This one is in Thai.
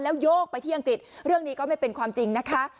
โยกไปที่อังกฤษเรื่องนี้ก็ไม่เป็นความจริงนะคะ